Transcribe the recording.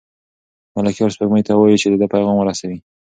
ملکیار سپوږمۍ ته وايي چې د ده پیغام ورسوي.